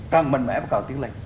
càng mạnh mẽ và càng tiến lệ